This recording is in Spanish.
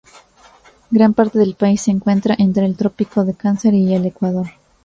Gran parte del país se encuentra entre el trópico de Cáncer y el Ecuador.